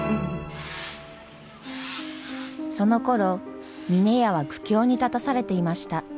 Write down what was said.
そのころ峰屋は苦境に立たされていました。